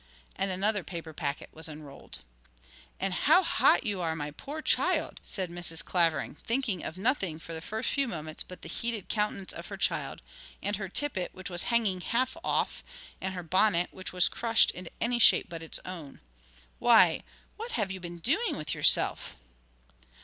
And another paper packet was unrolled. 'And how hot you are, my poor child!' said Mrs. Clavering, thinking of nothing for the first few moments but the heated countenance of her child, and her tippet, which was hanging half off, and her bonnet, which was crushed into any shape but its own. 'Why, what have you been doing with yourself?'